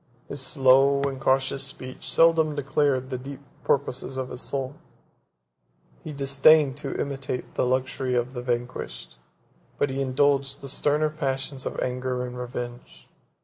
His slow and cautious speech seldom declared the deep purposes of his soul; he disdained to imitate the luxury of the vanquished; but he indulged the sterner passions of anger and revenge.